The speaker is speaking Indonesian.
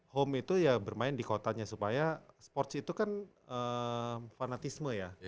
home itu ya bermain di kotanya supaya sports itu kan fanatisme ya